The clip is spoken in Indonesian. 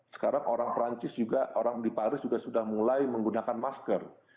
sekarang orang perancis juga orang di paris juga sudah mulai menggunakan masker